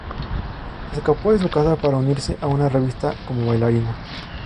Se escapó de su casa para unirse a una revista como bailarina.